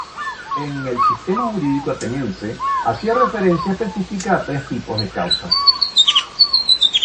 En el Sistema jurídico ateniense, hacía referencia específica a tres tipos de causas.